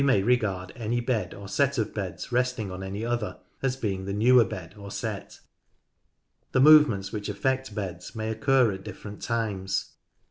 u regard any bed or set of beds resting on any other as being the newer bed or set. The movements which affect beds ma) occur at 20 NORTH LANCASHIRE different times.